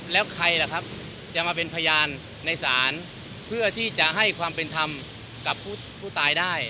แล้วใครล่ะครับจะมาเป็นพยานในศาลเพื่อที่จะให้ความเป็นธรรมกับผู้ตายได้